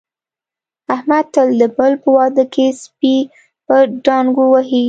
احمد تل د بل په واده کې سپي په ډانګو وهي.